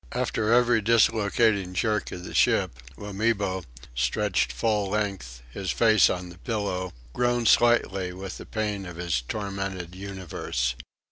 After every dislocating jerk of the ship, Wamibo, stretched full length, his face on the pillow, groaned slightly with the pain of his tormented universe.